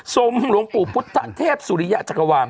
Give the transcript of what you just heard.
หลวงปู่พุทธเทพสุริยะจักรวาล